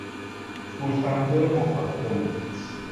پوشند مفصلی